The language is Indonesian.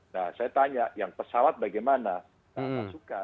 nah saya tanya yang pesawat bagaimana suka